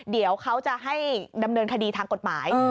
เดี๋ยวเขาจะให้ดำเนินคดีทางกฎหมาย